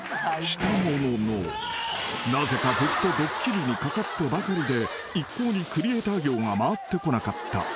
［したもののなぜかずっとドッキリにかかってばかりで一向にクリエーター業が回ってこなかった］